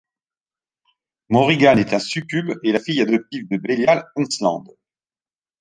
Morrigan est un succube et la fille adoptive de Bélial Aensland.